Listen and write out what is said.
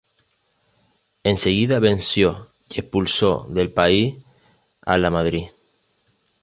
Enseguida venció y expulsó del país a Lamadrid.